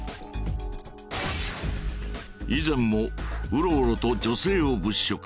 以前もうろうろと女性を物色。